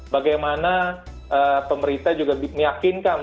bagaimana pemerintah juga meyakinkan untuk masyarakat tas menengah ya yang memang